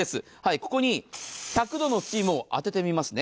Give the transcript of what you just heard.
ここに１００度のスチームを当ててみますね。